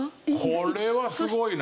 これはすごいな。